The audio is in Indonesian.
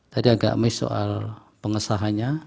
tadi agak miss soal pengesahannya